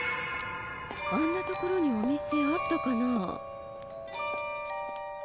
あんな所にお店あったかな？